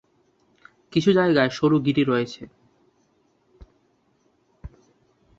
কিছু জায়গায় সরু গিরি রয়েছে।